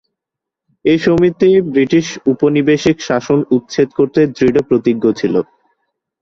এ সমিতি ব্রিটিশ উপনিবেশিক শাসন উচ্ছেদ করতে দৃঢ় প্রতিজ্ঞ ছিল।